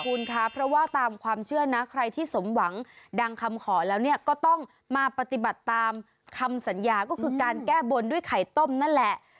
คุณคะเพราะว่าตามความเชื่อนะใครที่สมหวังดังคำขอแล้วเนี่ยก็ต้องมาปฏิบัติตามคำสัญญาก็คือการแก้บนด้วยไข่ต้มนั่นแหละ